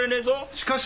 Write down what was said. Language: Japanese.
しかし。